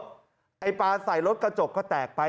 ไอ้ปลาใส่รถกระจกก็แตกไป